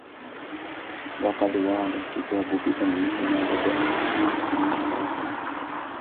وَقَدْ وَرَدَ الْكِتَابُ بِذَمِّهِمَا وَجَاءَتْ السُّنَّةُ بِالنَّهْيِ عَنْهُمَا